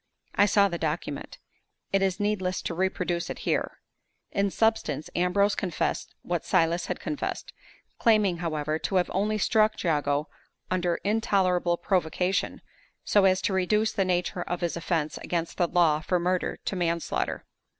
I saw the document. It is needless to reproduce it here. In substance, Ambrose confessed what Silas had confessed; claiming, however, to have only struck Jago under intolerable provocation, so as to reduce the nature of his offense against the law from murder to manslaughter.